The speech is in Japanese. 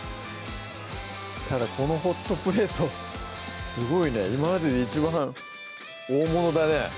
ただこのホットプレートすごいね今までで一番大物だね